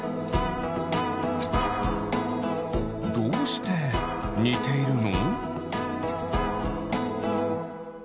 どうしてにているの？